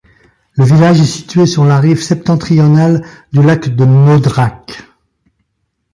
Le village est situé sur la rive septentrionale du lac de Modrac.